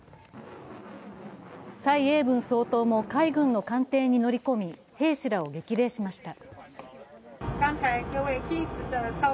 蔡英文総統も海軍の艦艇に乗り込み、兵士らを激励しました。